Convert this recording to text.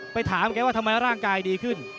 ไปถามแกว่าทำไมร่างกายดีขึ้น